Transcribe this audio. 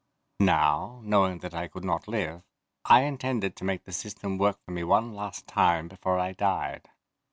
Now, knowing that I could not live, I intended to make the system work for me one last time before I died.